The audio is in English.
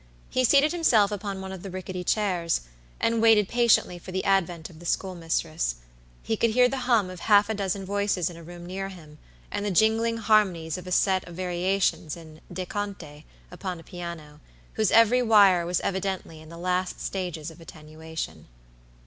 He seated himself upon one of the rickety chairs, and waited patiently for the advent of the schoolmistress. He could hear the hum of half a dozen voices in a room near him, and the jingling harmonies of a set of variations in Deh Conte, upon a piano, whose every wire was evidently in the last stage of attenuation.